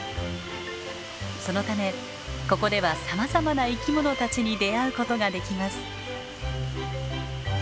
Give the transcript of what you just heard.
そのためここではさまざまな生き物たちに出会うことができます。